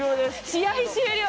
試合終了。